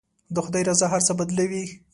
د خدای رضا هر څه بدلوي.